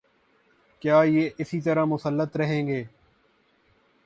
کیا یہ اسی طرح مسلط رہے گا؟